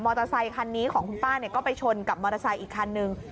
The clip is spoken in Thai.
เตอร์ไซคันนี้ของคุณป้าก็ไปชนกับมอเตอร์ไซค์อีกคันนึง